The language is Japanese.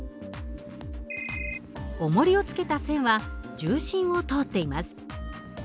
おもりを付けた線は重心を通っています。